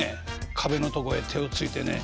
壁のとこへ手をついてね